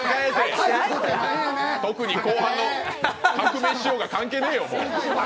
特に後半の、革命しようが関係ねえよ。